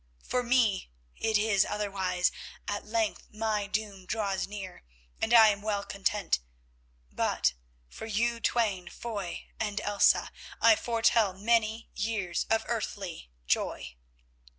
For me it is otherwise, at length my doom draws near and I am well content; but for you twain, Foy and Elsa, I foretell many years of earthly joy."